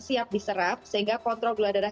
siap diserap sehingga kontrol gula darah